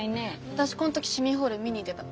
私こん時市民ホール見に行ってた。